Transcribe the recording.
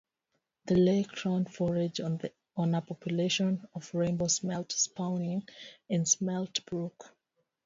The lake trout forage on a population of rainbow smelt spawning in Smelt Brook.